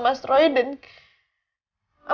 mbak yang merahsiakan kamu karena kamu hamil sama mas roy dan